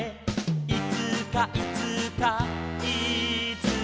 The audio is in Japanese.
「いつかいつかいつか」